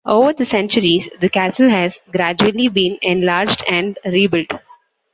Over the centuries, the castle has gradually been enlarged and rebuilt.